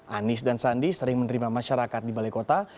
anies dan sandi sering menerima masyarakat di balai kota